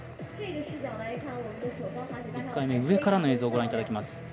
１回目、上からの映像ご覧いただきます。